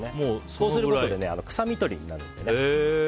そうすることで臭みとりになるので。